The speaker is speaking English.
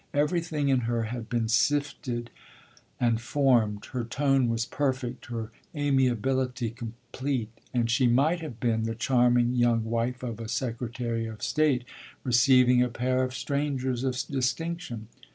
Everything in her had been sifted and formed, her tone was perfect, her amiability complete, and she might have been the charming young wife of a secretary of state receiving a pair of strangers of distinction.